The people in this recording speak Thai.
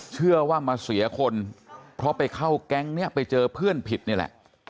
เชื่อว่ามาเสียคนเพราะไปเข้าแก๊งนี้ไปเจอเพื่อนผิดนี่แหละ